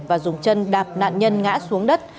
và dùng chân đạp nạn nhân ngã xuống đất